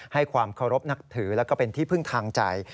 ให้ความเคารพนับถือแล้วก็เป็นที่พึ่งทางใจ